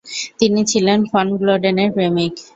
তিনি ছিলেন ফন গ্লোডেনের প্রেমিক।